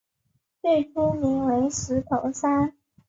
最初名为石头山。